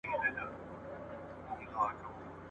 د ځنګله پاچا ولاړ په احترام سو ..